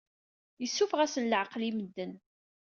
Yessuffeɣ-asen leɛqel i medden.